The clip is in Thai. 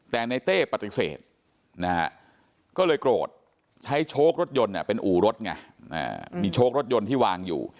แต่ในเต้ปฏิเสธนะฮะก็เลยโกรธใช้โชครถยนต์เป็นอู่รถไงมีโชครถยนต์ที่วางอยู่